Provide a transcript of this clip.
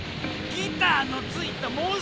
ギターのついたモンストロ！